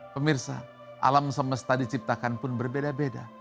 pemirsa alam semesta diciptakan pun berbeda beda